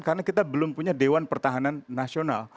karena kita belum punya dewan pertahanan nasional